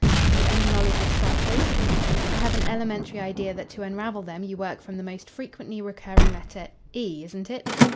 Have you any knowledge of ciphers?" "I have an elementary idea that to unravel them you work from the most frequently recurring letter; E, isn't it?"